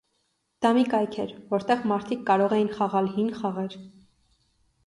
Դա մի կայք էր, որտեղ մարդիկ կարող էին խաղալ հին խաղեր։